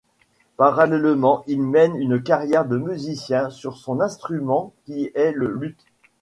Parallèlement, il mène une carrière de musicien sur son instrument qui est le luth.